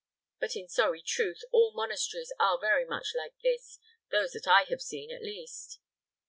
But in sorry truth, all monasteries are very much like this those that I have seen, at least."